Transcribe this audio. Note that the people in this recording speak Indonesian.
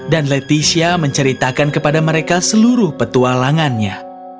dan leticia menceritakan kepada mereka seluruh petualangannya